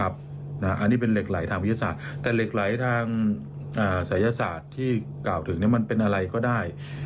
อันนี้เป็นเหล็กไหลทางวิทยาศาสตร์แต่เหล็กไหลทางศัยศาสตร์ที่กล่าวถึงมันเป็นอะไรก็ได้